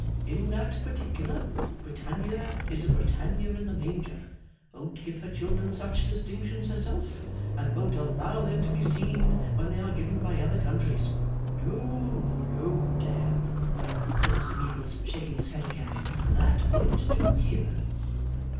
In that particular, Britannia is a Britannia in the Manger won't give her children such distinctions herself, and won't allow them to be seen when they are given by other countries. No, no, Dan!' said Mr Meagles, shaking his head again. 'That won't do here!